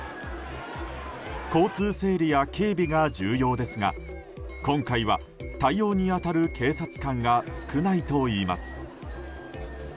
交通整理や警備が重要ですが今回は対応に当たる警察官が少ないといいます。